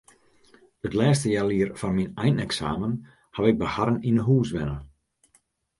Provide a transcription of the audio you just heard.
It lêste healjier foar myn eineksamen haw ik by harren yn 'e hûs wenne.